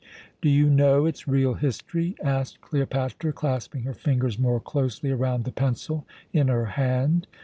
"Do you know its real history?" asked Cleopatra, clasping her fingers more closely around the pencil in her hand.